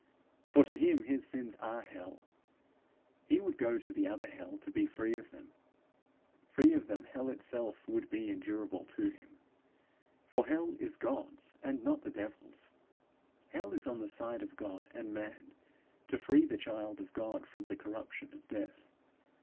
For to him his sins are hell; he would go to the other hell to be free of them; free of them, hell itself would be endurable to him. For hell is God's and not the devil's. Hell is on the side of God and man, to free the child of God from the corruption of death.